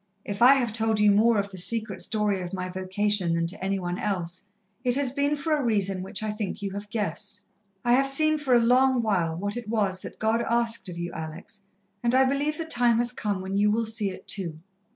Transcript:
"If I have told you more of the secret story of my vocation than to any one else, it has been for a reason which I think you have guessed. I have seen for a long while what it was that God asked of you, Alex, and I believe the time has come when you will see it too.